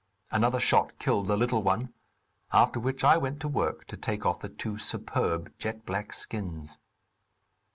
Another shot killed the little one, after which I went to work to take off the two superb jet black skins.